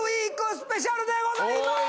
スペシャルでございます！